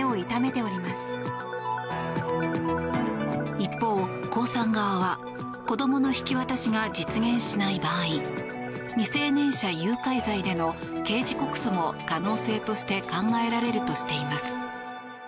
一方、コウさん側は子どもの引き渡しが実現しない場合未成年者誘拐罪での刑事告訴も可能性として考えられるとしています。